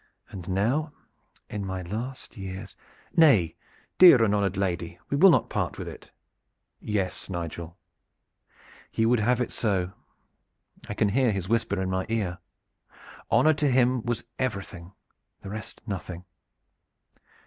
And now in my last years " "Nay, dear and honored lady, we will not part with it." "Yes, Nigel, he would have it so. I can hear his whisper in my ear. Honor to him was everything the rest nothing.